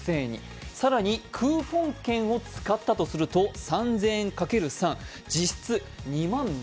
更にクーポン券を使ったとすると３０００円×３、実質２万７０００円。